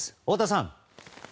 太田さん。